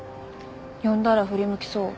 呼んだら振り向きそう。